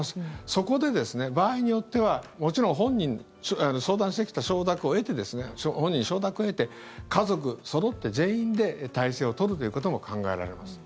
そこで場合によってはもちろん相談してきた本人に承諾を得て家族そろって全員で態勢を取るということも考えられます。